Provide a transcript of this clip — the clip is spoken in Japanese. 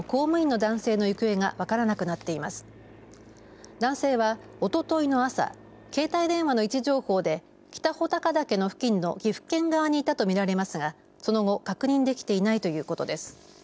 男性は、おとといの朝携帯電話の位置情報で北穂高岳の付近の岐阜県側にいたとみられますがその後、確認できていないということです。